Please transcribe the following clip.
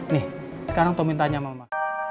nih sekarang tommy tanya mama